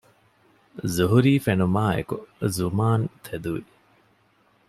ޒުހުރީ ފެނުމާއެކު ޖުމާން ތެދުވި